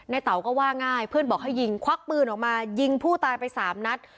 เต๋าก็ว่าง่ายเพื่อนบอกให้ยิงควักปืนออกมายิงผู้ตายไปสามนัด